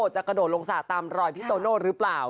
กระโดดลงสระตามรอยพี่โตโน่หรือเปล่า